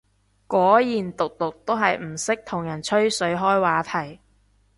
果然毒毒都係唔識同人吹水開話題